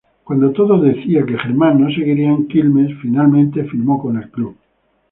Cuando todo parecía que Germán no seguiría en Quilmes finalmente firmó con el club.